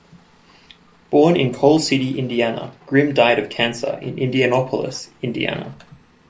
Born in Coal City, Indiana, Grim died of cancer in Indianapolis, Indiana.